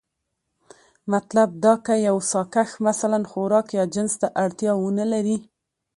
مطلب دا که يو ساکښ مثلا خوراک يا جنس ته اړتيا ونه لري،